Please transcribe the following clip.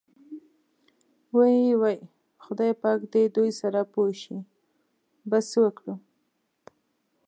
وۍ وۍ خدای پاک دې دوی سره پوه شي، بس څه وکړو.